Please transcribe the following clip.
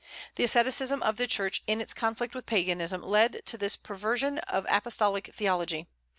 The asceticism of the Church in its conflict with Paganism led to this perversion of apostolic theology.